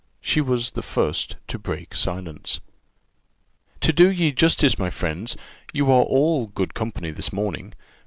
She was the first to break silence. "To do ye justice, my friends, you are all good company this morning.